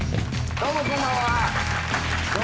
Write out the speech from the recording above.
どうもこんばんは。